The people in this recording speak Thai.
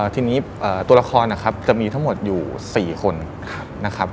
ทีนี้ตัวละครนะครับจะมีทั้งหมดอยู่๔คนนะครับ